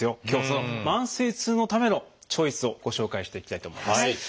今日はその慢性痛のためのチョイスをご紹介していきたいと思います。